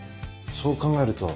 そう考えると。